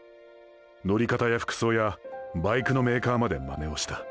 乗り方や服装やバイクのメーカーまで真似をした。